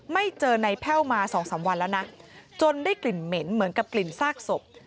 ไม่เจอในแพ่วมา๒๓วันแล้วนะจนได้กลิ่นเหม็นเหมือนกับกลิ่นซากศพ